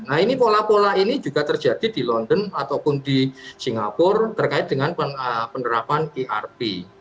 nah ini pola pola ini juga terjadi di london ataupun di singapura terkait dengan penerapan irp